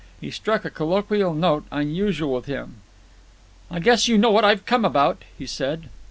He struck a colloquial note unusual with him. "I guess you know what I've come about," he said.